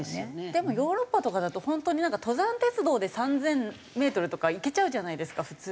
でもヨーロッパとかだと本当になんか登山鉄道で３０００メートルとか行けちゃうじゃないですか普通に。